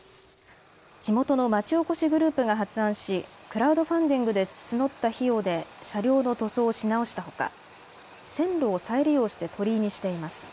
地元の街おこしグループが発案し、クラウドファンディングで募った費用で車両の塗装をし直したほか、線路を再利用して鳥居にしています。